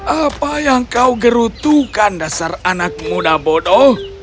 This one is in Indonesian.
apa yang kau gerutukan dasar anak muda bodoh